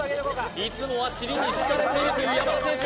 いつもは尻に敷かれているという山田選手